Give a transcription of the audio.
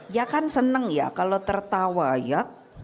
ya kan seneng ya kalau tertawa ya